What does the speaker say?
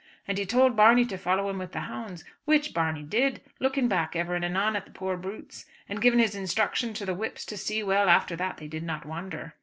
And he told Barney to follow him with the hounds, which Barney did, looking back ever and anon at the poor brutes, and giving his instructions to the whips to see well after that they did not wander.